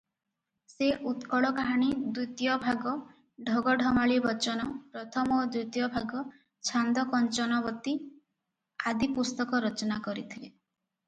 "ସେ "ଉତ୍କଳ କାହାଣୀ ଦ୍ୱିତୀୟ ଭାଗ", "ଢଗ ଢମାଳୀ ବଚନ" ପ୍ରଥମ ଓ ଦ୍ୱିତୀୟ ଭାଗ, "ଛାନ୍ଦ କଞ୍ଚନବତୀ" ଆଦି ପୁସ୍ତକ ରଚନା କରିଥିଲେ ।"